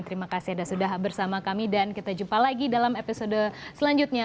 terima kasih anda sudah bersama kami dan kita jumpa lagi dalam episode selanjutnya